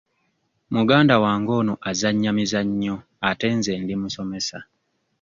Muganda wange ono azannya mizannyo ate nze ndi musomesa.